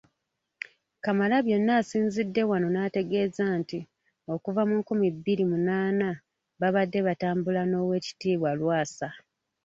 Kamalabyonna asinzidde wano n’ategeeza nti okuva mu nkumi bbiri munaana babadde batambula n’Oweekitiibwa Lwasa.